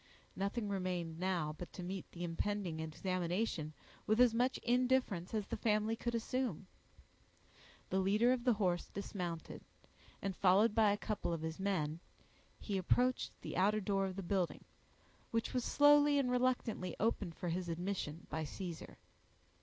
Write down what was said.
Nothing remained now, but to meet the impending examination with as much indifference as the family could assume. The leader of the horse dismounted, and, followed by a couple of his men, he approached the outer door of the building, which was slowly and reluctantly opened for his admission by Caesar.